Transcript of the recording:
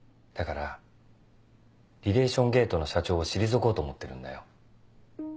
だからリレーション・ゲートの社長を退こうと思ってるんだよ。